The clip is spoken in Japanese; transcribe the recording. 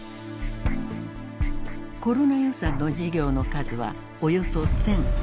コロナ予算の事業の数はおよそ１，０００。